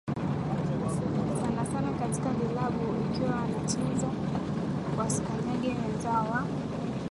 sana sana katika vilabu ikiwa wanacheza wasikanyange wenzao wa